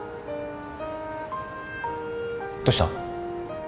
どうした？